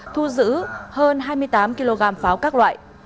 thu giữ hơn hai mươi tám kg pháo các loại